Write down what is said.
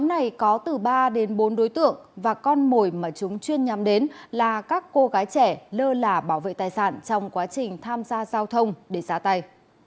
nhóm này có từ ba đến bốn đối tượng và con mồi mà chúng chuyên nhắm đến là các cô gái trẻ lơ lả bảo vệ tài sản trong quá trình tham gia giao thông để xá tay